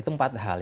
itu empat hal